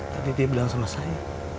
tapi dia bilang sama saya